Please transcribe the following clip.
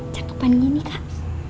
cakepan gini kak